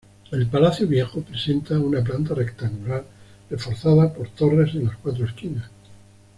El Palacio Viejo presenta una planta rectangular reforzada por torres en las cuatro esquinas.